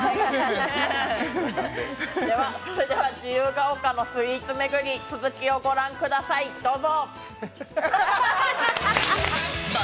それでは自由が丘のスイーツ巡り、続きを御覧ください、どうぞ！